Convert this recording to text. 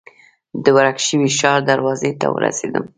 د ورک شوي ښار دروازې ته ورسېدم.